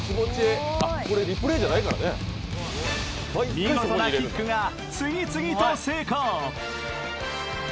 見事なキックが次々と成功。